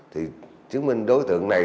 thì chứng minh đối tượng này